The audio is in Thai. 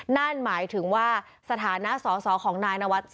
นั่นหมายถึงว่าสถานะสอสอของนายนวัด